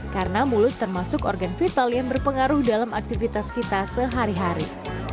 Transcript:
karena mulut termasuk organ vital yang berpengaruh dalam aktivitas kita sehari hari